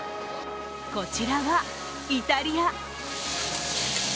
こちらは、イタリア。